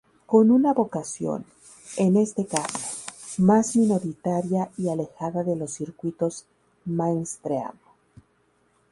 Con una vocación, en este caso, más minoritaria y alejada de los circuitos "mainstream".